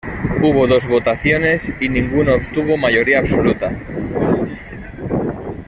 Hubo dos votaciones y ninguno obtuvo mayoría absoluta.